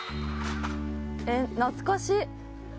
えっ懐かしい。